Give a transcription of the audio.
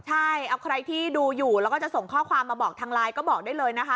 ใช่เอาใครที่ดูอยู่แล้วก็จะส่งข้อความมาบอกทางไลน์ก็บอกได้เลยนะคะ